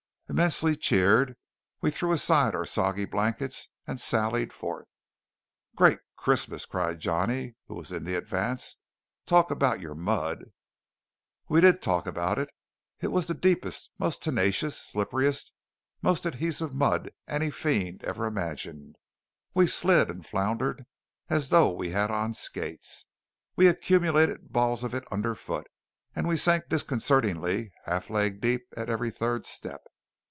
Immensely cheered, we threw aside our soggy blankets and sallied forth. "Great Christmas!" cried Johnny, who was in the advance. "Talk about your mud!" We did talk about it. It was the deepest, most tenacious, slipperiest, most adhesive mud any fiend ever imagined. We slid and floundered as though we had on skates; we accumulated balls of it underfoot; and we sank disconcertingly half leg deep at every third step.